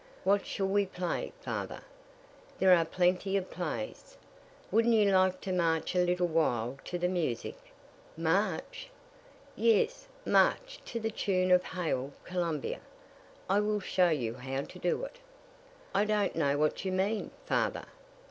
"What shall we play, father?" "There are plenty of plays. Wouldn't you like to march a little while to the music?" "March?" "Yes, march to the tune of 'Hail, Columbia.' I will show you how to do it." "I don't know what you mean, father."